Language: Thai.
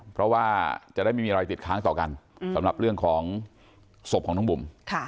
เพราะว่าจะได้ไม่มีอะไรติดค้างต่อกันสำหรับเรื่องของศพของน้องบุ๋ม